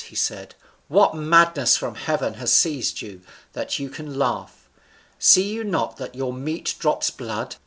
he said, "what madness from heaven has seized you, that you can laugh? see you not that your meat drops blood?